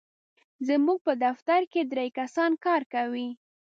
زموږ په دفتر کې درې کسان کار کوي.